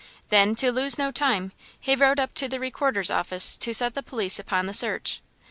Then, to lose no time, he rode up to the Recorder's office to set the police upon the search.